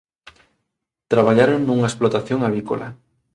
Traballaron nunha explotación avícola